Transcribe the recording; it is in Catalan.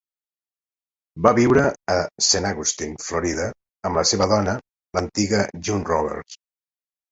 Va viure a Saint Augustine, Florida amb la seva dona, l'antiga June Roberts.